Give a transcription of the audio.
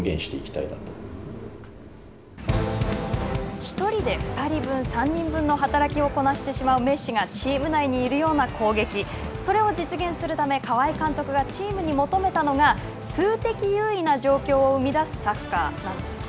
１人で２人分３人分の働きをこなしてしまうメッシがチーム内にいるような攻撃それを実現するため川井監督がチームに求めたのが数的優位な状況を生み出すサッカーなんですよね。